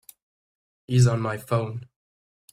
He's on my phone.